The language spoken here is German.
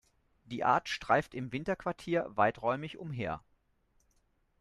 Die Art streift im Winterquartier weiträumig umher.